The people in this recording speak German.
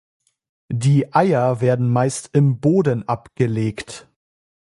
Die Eier werden meist im Boden abgelegt.